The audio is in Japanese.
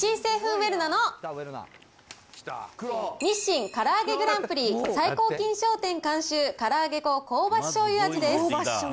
ウェルナの日清からあげグランプリ最高金賞店監修から揚げ粉香ばししょうゆ味です。